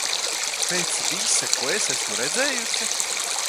Pēc visa, ko es esmu redzējusi...